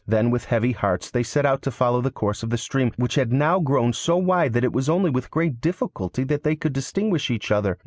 Then with heavy hearts they set out to follow the course of the stream, which had now grown so wide that it was only with difficulty they could distinguish each other.